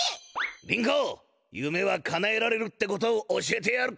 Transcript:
りん子ゆめはかなえられるってことを教えてやる！